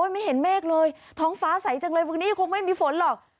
ไม่เห็นเมฆเลยท้องฟ้าใสจังเลยวันนี้คงไม่มีฝนหรอก